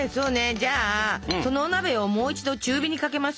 じゃあそのお鍋をもう一度中火にかけます。